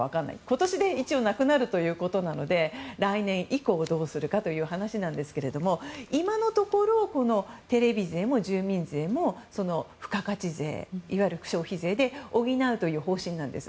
今年で一応なくなるということなので来年以降どうするかという話なんですが今のところテレビ税も住民税も付加価値税、いわゆる消費税で補うという方針なんです。